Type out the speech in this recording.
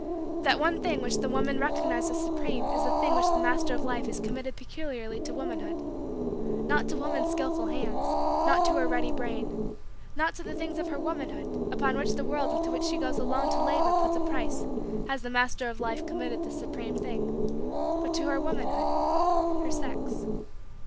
That one thing which the woman recognized as supreme is the thing which the Master of Life has committed peculiarly to womanhood. Not to woman's skillful hands; not to her ready brain; not to the things of her womanhood upon which the world into which she goes alone to labor puts a price has the Master of Life committed this supreme thing; but to her womanhood her sex.